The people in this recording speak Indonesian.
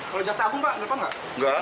kalau jaksa agung pak nelpon nggak